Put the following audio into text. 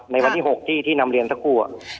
ในวันที่๖ที่นำเรียนสักครู่